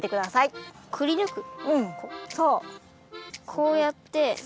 こうやって。